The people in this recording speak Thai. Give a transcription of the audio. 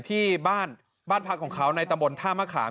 ที่บ้านบ้านพักของเขาในตำบลท่ามะขาม